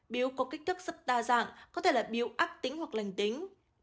biếu có kích thước rất đa dạng có thể là biếu ác tính hoặc lành tính